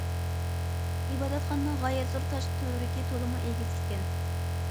ئىبادەتخانىنىڭ غايەت زور تاش تۈۋرۈكى تولىمۇ ئېگىز ئىكەن.